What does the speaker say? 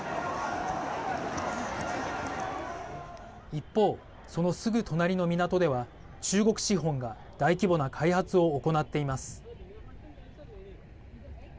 一方、そのすぐ隣の港では中国資本が大規模な開発を行っています。